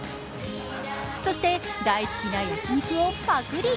そして大好きな焼肉をパクり。